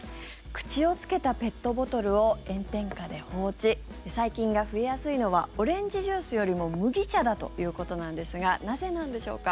口をつけたペットボトルを炎天下で放置細菌が増えやすいのはオレンジジュースよりも麦茶だということなんですがなぜなんでしょうか？